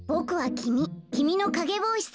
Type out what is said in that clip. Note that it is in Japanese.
きみの影ぼうしさ。